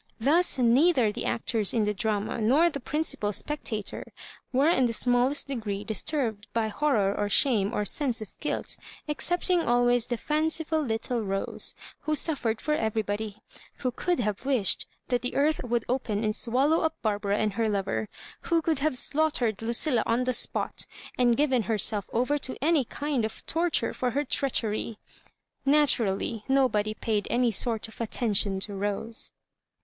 Thus neither the actors in the drama, nor the principal specta tor, were in the smallest degree disturbed by horror or shame or sense of guilt, excepting al ways the fanciful litttle Rose, who suffered for everybody; who could have wished that the earth would open and swallow up Barbara and her lover; who oould have slaughtered Lucilla on the spot, and given herself over to any kind of torture for her treachery. Naturally nobody paid any sort of attention to Rose.